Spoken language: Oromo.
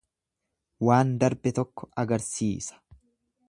Waan darbe tokko agarsiisa.